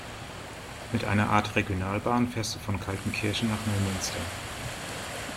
Mit einer Art Regionalbahn fährst du von Kaltenkirchen nach Neumünster.